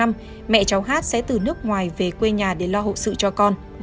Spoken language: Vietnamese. mẹ cháu h sẽ từ nước ngoài về quê nhà để lo hộ sự cho con